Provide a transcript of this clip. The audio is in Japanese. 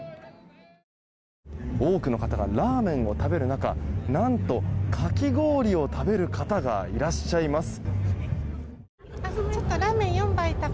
多くの方がラーメンを食べる中何と、かき氷を食べる方がいらっしゃいます。